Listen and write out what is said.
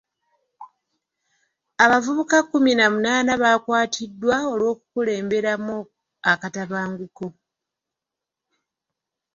Abavubuka kkumi na munaana baakwatiddwa olw'okukulemberamu akatabanguko.